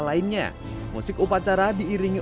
lainnya musik upacara diiringi